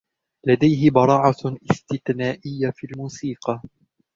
لديه براعة استثنائية في الموسيقى.